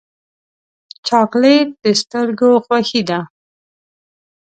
چاکلېټ د سترګو خوښي ده.